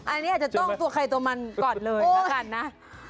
ไอ้นี้อาจจะต้องตัวไขโตมันก่อนเลยนะ